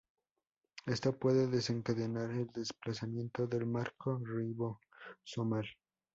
Esto puede desencadenar el desplazamiento del marco ribosomal.